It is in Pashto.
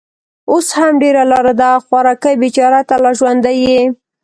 اوس هم ډېره لار ده. خوارکۍ، بېچاره، ته لا ژوندۍ يې؟